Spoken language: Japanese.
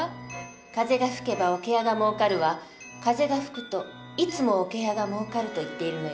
「風が吹けば桶屋がもうかる」は「風が吹くといつも桶屋がもうかる」といっているのよね。